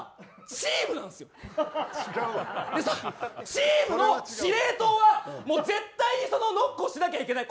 チームの司令塔は絶対にノックをしなきゃいけない。